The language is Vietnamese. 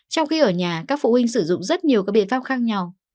trong khi ở nhà các phụ huynh sử dụng rất nhiều các biện pháp khác nhau